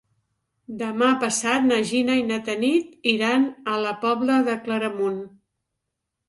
Demà passat na Gina i na Tanit iran a la Pobla de Claramunt.